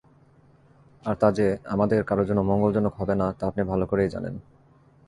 আর তা যে আমাদের কারো জন্য মঙ্গলজনক হবে না তা আপনি ভালো করেই জানেন।